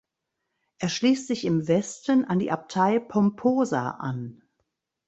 Er schließt sich im Westen an die Abtei Pomposa an.